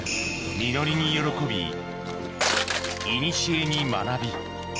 実りに喜びいにしえに学び